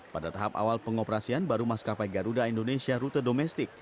pada tahap awal pengoperasian baru maskapai garuda indonesia rute domestik